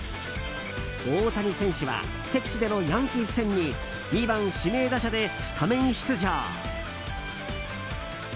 大谷選手は敵地でのヤンキース戦に２番指名打者でスタメン出場。